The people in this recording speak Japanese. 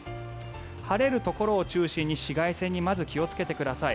晴れるところを中心に紫外線に気をつけてください。